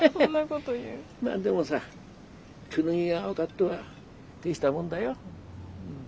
まあでもさクヌギが分がっとは大したもんだよ。